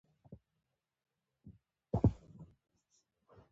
دا ژبه د خاموش فکر څرګندونه کوي.